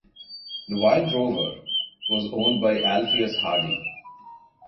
The "Wild Rover" was owned by Alpheus Hardy.